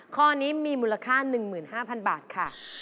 ข้อนี้มีมูลค่า๑๕๐๐๐บาทค่ะ